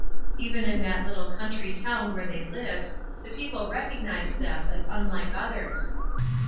Even in that little country town where they lived, the people recognized them as unlike others.